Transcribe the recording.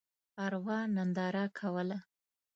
ارواح ننداره کوله.